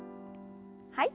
はい。